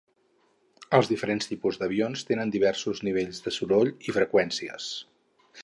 Els diferents tipus d'avions tenen diversos nivells de soroll i freqüències.